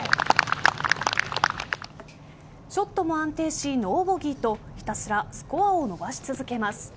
ショットも安定しノーボギーとひたすらスコアを伸ばし続けます。